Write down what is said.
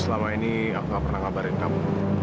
selama ini aku nggak pernah ngabarin kamu